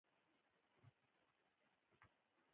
په خپل ذهن کې له رامنځته کېدونکو انځورونو ګټه واخلئ.